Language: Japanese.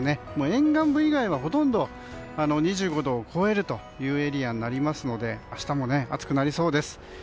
沿岸部以外はほとんど２５度を超えるというエリアになりますので明日も暑くなりそうです。